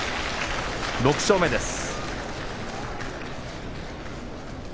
６勝目です。